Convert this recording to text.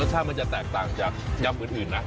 รสชาติมันจะแตกต่างจากยำอื่นนะ